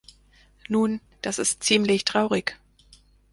Nun, das ist ziemlich traurig.